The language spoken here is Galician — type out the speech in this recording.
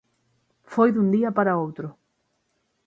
Foi dun día para outro.